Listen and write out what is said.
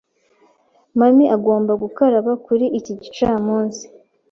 Mummy agomba gukaraba kuri iki gicamunsi.